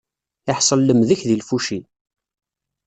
Iḥṣel lemdek di lfuci.